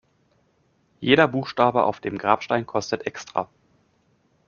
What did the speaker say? Jeder Buchstabe auf dem Grabstein kostet extra.